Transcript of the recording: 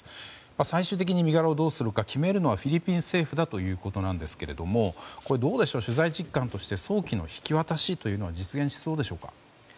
最終的に身柄をどうするか決めるのはフィリピン政府だということですが取材実感として早期の引き渡しというのは実現しそうですか？